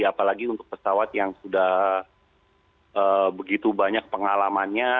apalagi untuk pesawat yang sudah begitu banyak pengalamannya